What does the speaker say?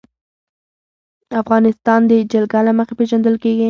افغانستان د جلګه له مخې پېژندل کېږي.